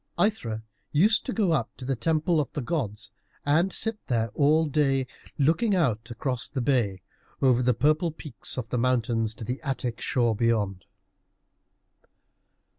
Aithra used to go up to the temple of the gods, and sit there all day, looking out across the bay, over the purple peaks of the mountains to the Attic shore beyond.